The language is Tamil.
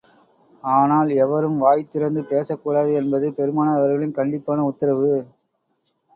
ஆனால், எவரும் வாய் திறந்து பேசக் கூடாது என்பது பெருமானார் அவர்களின் கண்டிப்பான உத்தரவு.